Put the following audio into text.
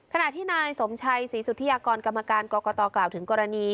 ขณะที่นายสมชัยศรีสุธิยากรกรรมการกรกตกล่าวถึงกรณี